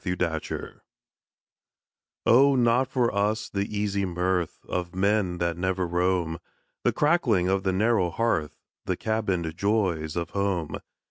THE BUCCANEERS. Oh, not for us the easy mirth Of men that never roam! The crackling of the narrow hearth, The cabined joys of home!